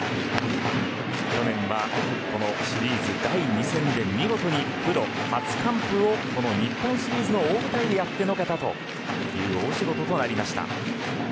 去年は、このシリーズ第２戦で見事にプロ初完封をこの日本シリーズの大舞台でやってのけたという大仕事となりました。